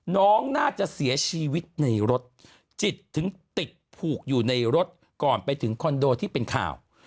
น้องน่าจะเสียชีวิตในรถจิตถึงติดผูกอยู่ในรถก่อนไปถึงคอนโดที่เป็นข่าว